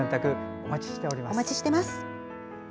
お待ちしています。